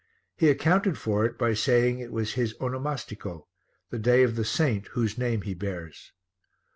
He accounted for it by saying it was his onomastico the day of the saint whose name he bears.